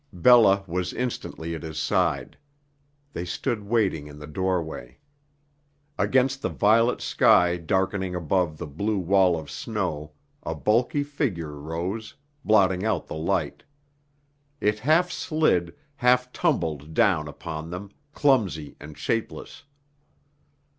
Bella was instantly at his side. They stood waiting in the doorway. Against the violet sky darkening above the blue wall of snow, a bulky figure rose, blotting out the light. It half slid, half tumbled down upon them, clumsy and shapeless.